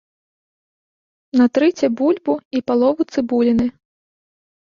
Натрыце бульбу і палову цыбуліны.